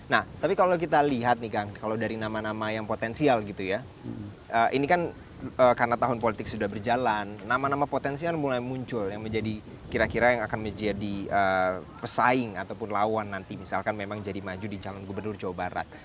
nah tapi kalau kita lihat nih kang kalau dari nama nama yang potensial gitu ya ini kan karena tahun politik sudah berjalan nama nama potensi kan mulai muncul yang menjadi kira kira yang akan menjadi pesaing ataupun lawan nanti misalkan memang jadi maju di calon gubernur jawa barat